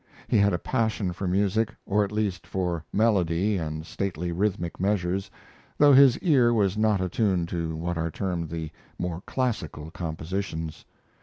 He had a passion for music, or at least for melody and stately rhythmic measures, though his ear was not attuned to what are termed the more classical compositions.